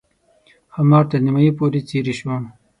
ښامار تر نیمایي پورې څېرې شو.